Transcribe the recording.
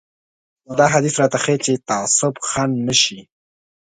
دا حديث راته ښيي چې تعصب خنډ نه شي.